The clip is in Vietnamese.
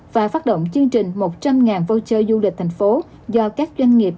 và phát động chương trình một trăm linh voucher du lịch thành phố do các doanh nghiệp